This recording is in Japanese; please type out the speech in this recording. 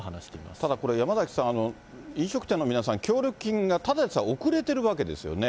ただこれ、山崎さん、飲食店の皆さん、協力金がただでさえ遅れているわけですよね。